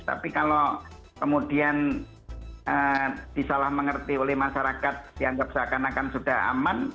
tapi kalau kemudian disalah mengerti oleh masyarakat dianggap seakan akan sudah aman